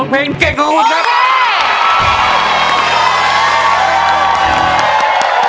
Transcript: แผ่นที่สามนะครับตัวช่วยนะครับ